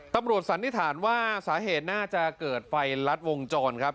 สันนิษฐานว่าสาเหตุน่าจะเกิดไฟลัดวงจรครับ